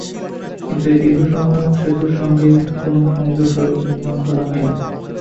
কিন্তু এই দীর্ঘ সময়েও সেতুর সঙ্গে কোনো সংযোগ সড়ক নির্মাণ করা হয়নি।